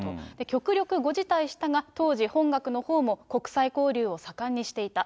極力ご辞退したが、当時、本学のほうも国際交流を盛んにしていた。